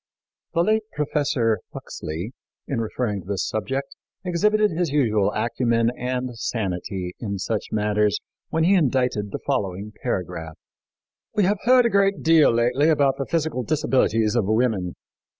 The late Professor Huxley, in referring to this subject, exhibited his usual acumen and sanity in such matters when he indited the following paragraph: "We have heard a great deal lately about the physical disabilities of women.